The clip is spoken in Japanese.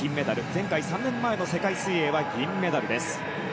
前回、３年前の世界水泳は銀メダルです。